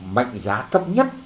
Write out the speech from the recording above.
mạnh giá cấp nhất